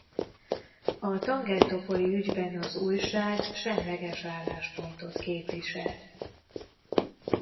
A Tangentopoli-ügyben az újság semleges álláspontot képviselt.